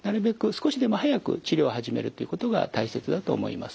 少しでも早く治療を始めるということが大切だと思います。